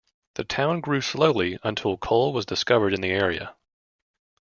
The town grew slowly until coal was discovered in the area.